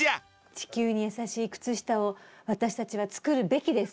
地球にやさしい靴下を私たちは作るべきです！